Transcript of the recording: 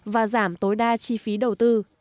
và giảm tối đa chi phí đầu tư